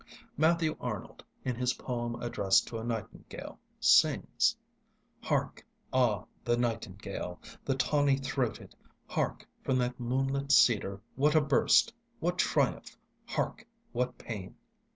Matthew Arnold, in his poem addressed to a nightingale, sings: Hark! ah, the nightingale— The tawny throated! Hark, from that moonlit cedar what a burst! What triumph! hark!—what pain!